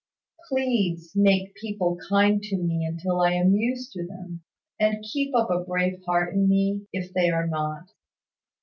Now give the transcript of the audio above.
Please, make people kind to me till I am used to them; and keep up a brave heart in me, if they are not.